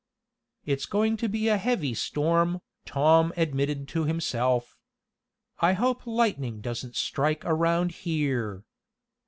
"It's going to be a heavy storm," Tom admitted to himself. "I hope lightning doesn't strike around here."